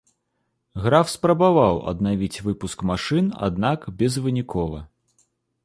Граф спрабаваў аднавіць выпуск машын, аднак безвынікова.